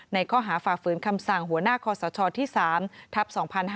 ข้อหาฝ่าฝืนคำสั่งหัวหน้าคอสชที่๓ทัพ๒๕๕๙